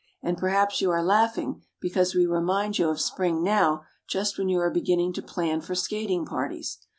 And perhaps you are laughing, because we remind you of spring now just when you are beginning to plan for skating parties.